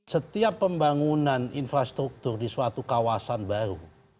setiap pembangunan infrastruktur di suatu kawasan baru